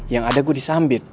yang ada gue disambit